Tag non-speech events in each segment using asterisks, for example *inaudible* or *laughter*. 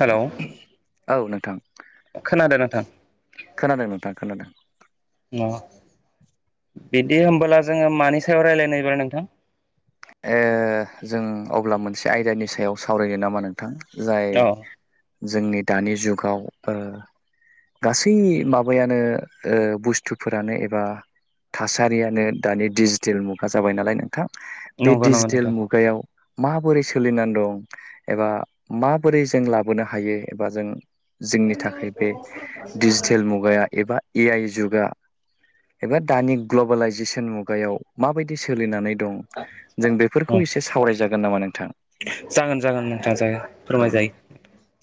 Hello औ नोंथां खोनादों नोंथां खोनादों नोंथां खोनादों अ बिदि होनोमबोला जोङो मानि सायाव रायज्लायनोबा नोंथां ओ जों अब्ला मोनसे आयदानि सायाव सावरायनो नामा नोंथां जाय औ जोंनि दानि जुगाव ओ गासै माबायानो ओ बुस्थुफोरानो एबा थासारियानो दानि डिजिटेल मुगा जाबाय नालाय नोंथां बे नंगौ नंगौ डिजिटेल नोंथां मुगायाव माबोरै सोलिनानै दं एबा माबोरै जों लाबोनो हायो एबा जों जोंनि थाखाय बे डिजिटेल मुगाया एबा ए आइ जुगा एबा दानि ग्लबेलाइजेसन मुगायाव माबायदि सोलिनानै दं जों उम बेफोरखौ एसे सावरायजागोन नामा नोंथां जागोन जागोन नोंथां जागोन औ फोरमायजायो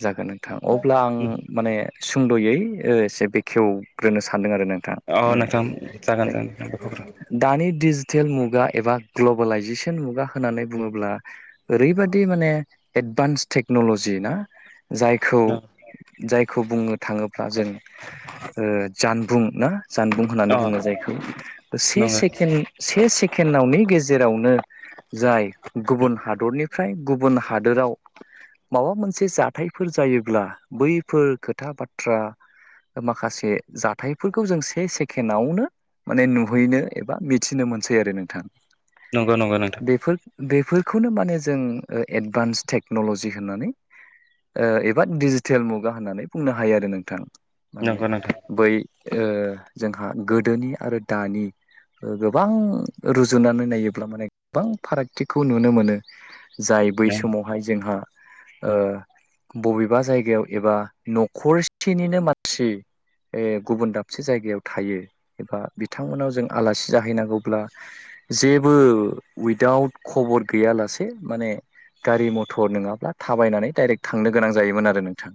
जागोन नोंथां अब्ला आं उम माने सुंद'यै ओ एसे बेखेवग्रोनो सानदों आरो नों थां अ माने नोंथां जागोन जागोन नोंथां दानि डिजितेल मुगा एबा ग्लबेलाइजेसन मुगा होननानै बुङोब्ला ओरैबायदि माने एद एडभान्स टेक्न'लजि ना जायखौ जाय बुंनो थाङोब्ला जों जानबुं ना जानबुं होननानै अ बुङो जायखौ से नंगौ सेकेणड से सेकेणडावनि गेजेरावनो जाय गुबुन हादरनिफ्राय गुबुन हादोराव माबा मोनसे जाथायफोर जायोब्ला बैफोर खोथा बाथ्रा माखासे जाथायफोरखौ जों से सेकेणडआवनो माने नुहैनो एबा मिथिनो मोनसै आरो नोंथां नंगौ नंगौ नोंथां बेफोर बेफोरखौनो माने जों एडभान्स टेक्न'ल'जि होननानै एबा दिजिटेल मुगा होननानै बुंनो हायो आरो नोंथां माने नंगौ नोंथां बै जोंहा गोदोनि आरो दानि गोबां रुजुनानै नायोब्ला माने गोबां फारागथिखौ नुनो मोनो जाय बै उम समावहाय जोंहा बबेबा जायगायाव एबा न'खरसेनिनो मानसि गुबुन दाबसे जायगायाव थायो एबा बिथांमोनाव जों आलासि जाहैनांगौब्ला जेबो उइदाउट खबर गैयालासे माने गारि मथर नङाब्ला थाबायनानै डाइरेक्ट थांनो गोनां जायोमोन आरो नोंथां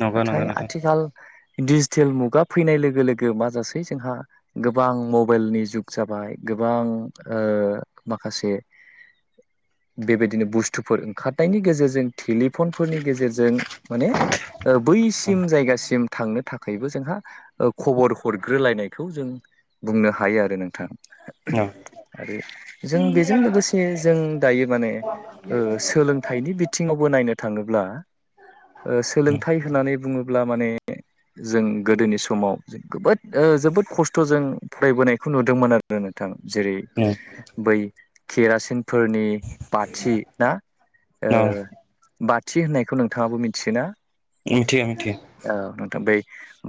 नंगौ नंगौ नाथाय नोंथां आथिखाल दिजिटेल मुगा फैनाय लोगो लोगो मााजासै जोंहा गोबां मबाइलनि जुग जाबाय गोबां माखासे *inaudible* बेबायदिनो बुस्थुफोर ओंखारनायनि गेजेरजों टेलिफनफोरनि गेजेरजों माने उम बैसिम जायगासिम थांनो थाखायबो जोंहा खबर हरग्रोलायनायखौ जों बुंनो हायो आरो नोंथां औ आरो जों बेजों लोगोसे जों दायो माने सोलोंथाइनि बिथिङावबो नायनो थाङोब्ला सोलों होननानै बुङोब्ला माने जों गोदोनि समाव जबोद जोबोद खस्थ'जों फरायबोनायखौ नुदोंमोन आरो नोंथां जेरै उम बै केरासिन फोरनि बाथि ना ओ औ बाथि होननायखौ नोंथाङाबो मिथियोना मिथियो मिथियो औ नोंथां बै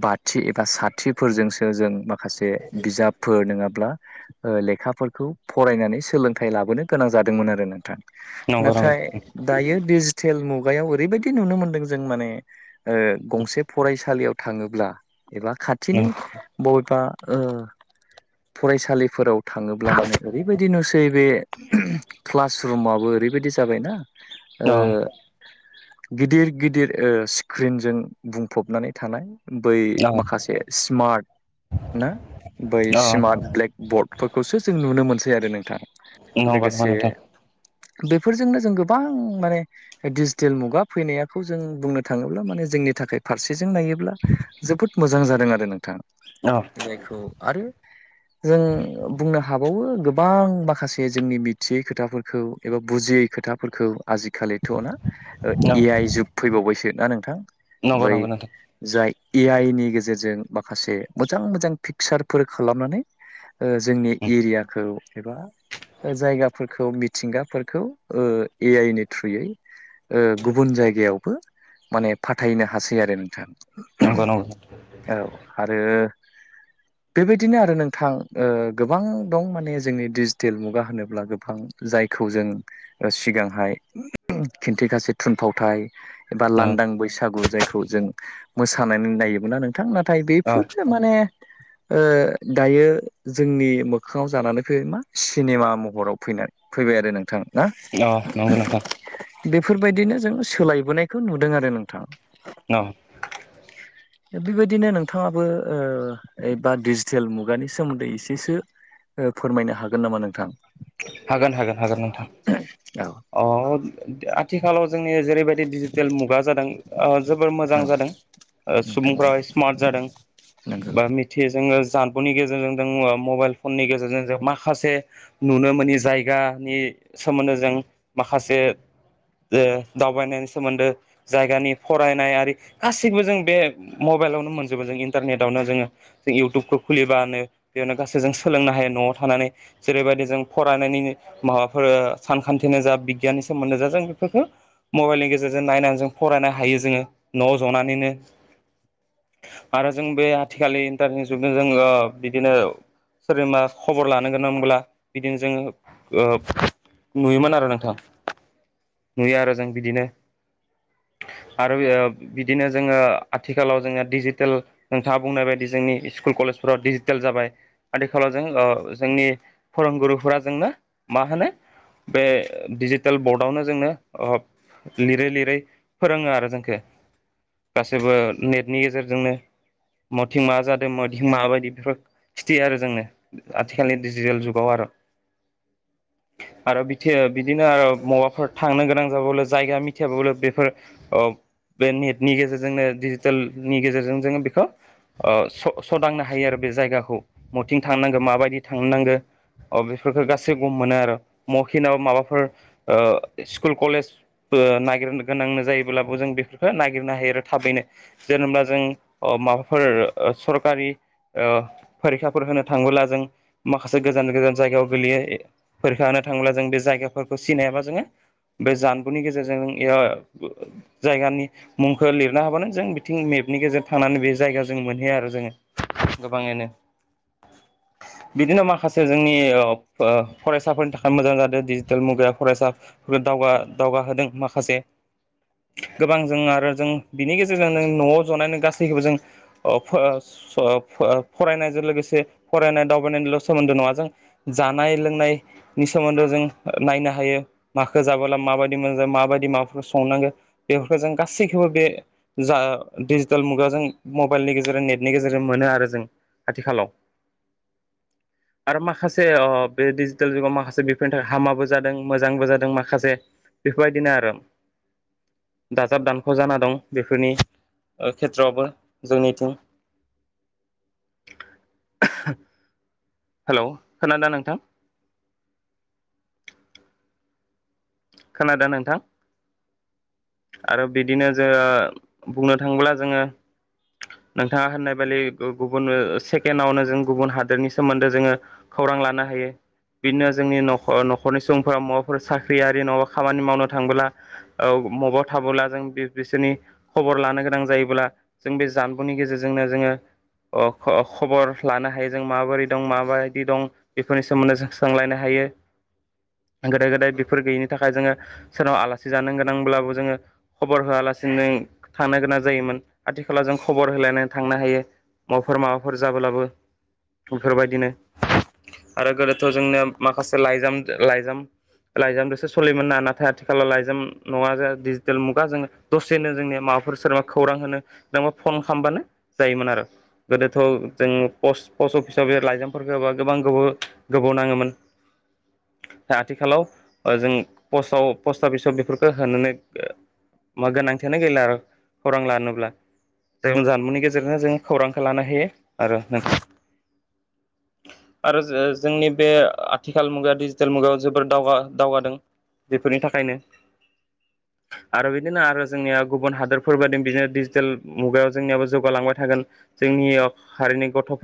बाथि एबा साथिफोरजोंसो जों माखासे बिजाबफोर नङाब्ला लेखाफोरखौ फरायनानै सोलोंथाइ लाबोनो गोनां जादोंमोन आरो नोंथां नंगौ नंगौ नाथाय दायो डिजिटेल मुगायाव ओरैबायदि नुनो मोनदों जों माने गंसे फरायसालियाव थाङोब्ला एबा खाथिनि उम बबेबा फरायसालिफोराव थाङोब्ला माने ओरैबायदि नुसै नै बे क्लास रुमाबो ओरैबायदि जाबायना औ गिदिर गिदिर स्क्रिनजों बुंफबनानै थानाय बै औ माखासे स्मार्ट ना बै स्मार्ट ब्लेक बरर्डफोरखौसो जों नुनो मोनसै आरो नोंथां नंगौ लोगोसे नोंथां बेफोरजोंनो जों गोबां माने डिजिटेल मुगा फैनायाखौ जों बुंनो थाङोब्ला माने जोंनि थाखाय फारसेजों नायोब्ला जोबोद मोजां जादों आरो नोंथां औ जायखौ आरो जों बुंनो हा हाबावो गोबां माखासे जोंनि मिथियै खोथाफोरखौ एबा बुजियै खोथाफोरखौ आजिखालिथ' ना औ ए आइ जुुग फैबावबायसोना नोंथां नंगौ बै नंगौ नोंथां जाय ए आइ नि गेजेरजों माखासे मोजां मोजां फिकसारफोर खालामनानै ओ जोंनि उम इरियाखौ एबा जायगाफोरखौ मिथिंगाफोरखौ ओ ए आइ नि थ्रुयै ओ गुबुन जायगायावबो माने फाथायनो हासै आरो नोंथां नंगौ *unintelligible* नंगौ औ आरो *inaudible* बेबायदिनो आरो नोंथां ओ गोबां दं माने जोंनि डिजिटेल मुगा होनोब्ला गोबां जायखौ जों सिगांहाय खिन्थिगासे थुनफावथाय एबा औ लांदां बैसागु जायखौ जों मोसानानै नायोमोना नों बिथां नाथाय औ बैफोरो माने ओ दायो जोंनि मोखाङाव जानानै फैबाय मा सिनेमा महराव फैना फैबाय आरो नोंथां ना अ नंगौ नोंथां बेफोरबायदिनो जों सोलायबोनायखो नुदों आरो नोंथां न बिबायदिनो नोंथाङाबो ओ एबा डिजिटेल मुगानि सोमोन्दै इसेसो ओ फोरमायनो हागोन नामा नोंथां? हागोन हागोन हागोन नोंथां औ अ आथिखालाव जोंनि जेरैबायदि टेल मुगा जादों जोबोर मोजां औ जादों नोंथाङा सुबुंफ्रा स्मार्ट जादों नोंगौ बा मिथियो जोङो जानबुंनि गेजेरजों जों मबाइल फननि गेजेरजों जों माखासे नुनो मोनि जायगा नि सोमोन्दै जों माखासे ओ दावबायनायनि सोमोनदो जायगानि फरायनाय आरि गासैबो जों बे मब मबाइलावनो मोनजोबो जों इन्टारनेटावनो जोङो इउटुबखौ खुलिबानो बेयावनो गासै जों सोलोंनो हायो न'वाव थानानै जेरैबायदि जों फरानायनिनो माबाफोर ओ सानखथिनो जा बिगियाननि सोमोन्दै जा जों बहुत मबाइलनि गेजेर गेजेरजों नायनानै जों फरायनो हायो जोङो न'वाव जनानैनो आरो जों बे आथिखालनि इन्टारनेट जुगजों जोङो बिदिनो सोरजोंबा खबर लानो गोनांब्ला बिदिनो जोङो ओ नुयोमोन आरो नोंथां नुयो आरो जों बिदिनो आरो बियो बिदिनो जोङो आथिखालाव जोङो डिजिटेल नोंथाङा बुंनाय बायदि जोंनि इस्कुल कलेजफोराव डिजिटेल जाबाय आथिखालाव जों ओ जोंनि फोरोंगुरुफोरा जोंनो मा होनो बे डिजिटेल बर्डआवनो जोंनो ओ लिरै लिरै फोरोङो आरो जोंखो गासैबो नेटनि गेजेरजोंनो मथिं मा जादों मथिं माबायदि बेफोर खिथियो आरो जोंनो आथिखालनि डिजिटेल जुग अ आर' आरो बिथो बिदिनो आर' मबाफोर थांनो गोनां जाबावल जायगा मिथियाबाबो बेफोर ओ बे नेटनि गेजेरजोंनो डिजिटेलनि गेजेरजों जोङो बेखौ ओ स सदांनो हायो आरो बे जायगाखौ मथिं थांनांगौ माबायदि थांनांगो अ बेफोरखो गासैखौबो मोनो आरो मखिनाव माबाफोर ओ स्कुल कलेज ओ नागिरनो गोनां जायोब्लाबो जों बेफोरखो नागिरनो हायो आरो थाबैनो जेनोबा जों फोर ओ सोरकारि ओ फोरिखाफोर होनो थाङोब्ला जों माखासे गोजान गोजान जायगायाव गोलैयो फोरखानो थाङोब्ला जों बे जायगाफोरखौ सिनायाबा जोङो बे जानबुंनि गेजेरजों ओ जायगानि मुंखौ लिरना हाबानो जों बिथिं मे नि गेजेर थांनानै बे जायगाजों मोनहैयो आरो जोङो गोबाङैनो बिदिनो माखास से जोंनि ओ ओ फरायसाफोरनि थाखाय मोजां जादों डिजिटेल मुगाया फरायसा दावगा दाव गा होदों माखासे गोबां जों आरो जों बिनि गेजेरजों नों न'वाव जनाय नों गासैखौबो जों फो‌ओ स फो फरायनायजों लोगोसे फरायनाय दावबायनायनिल' सोमोन्दो नङा जों जानाय लोंनायनि सोमोन्दै जों नायनो हायो माखौ जाबोला माबायदि मोन माबायदि माबाफोरखौ संनांगौ बेफोरखौ जों गासैखौबो बे जा डिजिटेल मुगाजों मबाइलनि गेजेरजों नेटनि गेजेरजों मोनो आरो जों आथिखालाव आरो माखासे अह बे डिजिटेल जुगाव माखासे बेफोरनि थाखाय हामाबो जादों मोजांबो जादों माखासे बेफोरबायदिनो आरो दाजाब दानख' जाना दं बेफोरनि खेथ्रवाबो जोंनिथिं *unintelligible* हेलौ खोनादों नोंथां खोनादों नोंथां आरो बिदिनो जोङो बुंनो थाङोब्ला जोङो नोंथाङा होननायबालि गुबुन सेकेणडावनो जों गुबुन हादोरनि सोमोन्दै जोङो खौरां लानो हायो बिदिनो जोंनि न न'खरनि सुबुंफोरा माबाफोर साख्रि रि खामानि मावनो थांबोला औ मबाव थाबोला जों बिसोरनि खबर लानो गोनां जा जायोब्ला जों बे जानबुंनि गेजेरजोंनो जोङो ओ ख खबर लानो हायो जों माबोरै दं माबायदि दं बेफोरनि सोमोन्दै जों सोंलायनो हायो बे गोदाय गोदाय बेफोर गैयिनि थाखाय जोङो सोरनाव आलासि जानो गोनांब्लाबो जोङो खबर होआलासिनो थानो गोनां जायोमोन मोन आथिखालाव जों खबर होलायनानै थांनो हायो माफोर माबाफोर जाबोलाबो बेफोरबायदिनो आरो गोदोथ' जोंनो माखासे लाइजाम लाइजाम लाइजाम दोसो सलियोमोन ना नाथाय आथिखालाव लाइजाम नङा डिजिटेल मुगा जों दसेनो जोंनिया माबाफोर सोरबा खौरां रां होनो फन खामबानो जायोमोन आरो गोदोथ' जों पस पष्त अपिसाव लाइजामफोरखौ होबा गोबां गोबाव गोबाव नाङोमोन आथिखालाव ओ जों पस्टआव पस्ट अफिसाव बेफोरखौ होनानै मा गोनांथियानो गैला आरो खौरां लानोब्ला जों जानबुंनि गेजेरजोंनो जों खौरांखौ लानो हायो आरो नों आरो जो जोंनि बे आथिखाल मुगाया डिजिटेल मुगायाव जोबोर दावगा दावगादों बेफोरनि थाखायनो आरो बिदिनो आरो जोंनिया गुबुन हादोरफोर बादि बिदिनो डिजिटेल मुगायाव जोंनियाबो जौगालांबाय थागोन जोंनि हारिनि गथ'फोर